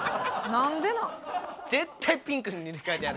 なんでなん？